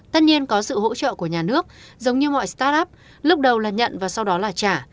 tất nhiên có sự hỗ trợ của nhà nước giống như mọi start up lúc đầu là nhận và sau đó là trả